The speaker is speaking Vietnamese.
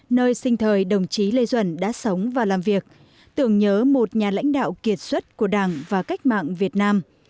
nơi sinh thời đồng chí lê duẩn đã sống và làm việc tưởng nhớ một nhà lãnh đạo kiệt xuất của đảng và cách mạng việt nam